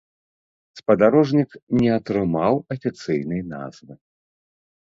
Спадарожнік не атрымаў афіцыйнай назвы.